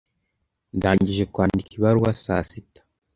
Ndangije kwandika ibaruwa saa sita.